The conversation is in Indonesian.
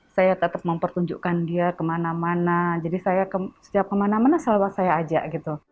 saya tetap mempertunjukkan dia kemana mana jadi saya setiap kemana mana selalu saya ajak gitu